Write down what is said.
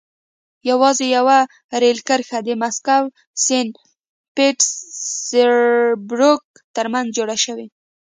یوازې یوه رېل کرښه د مسکو سن پټزربورګ ترمنځ جوړه شوه.